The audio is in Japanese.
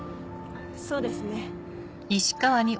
そうですね。